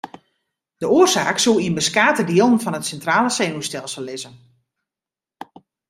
De oarsaak soe yn beskate dielen fan it sintrale senuwstelsel lizze.